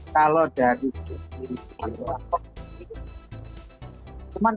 kalau dari stok beras ini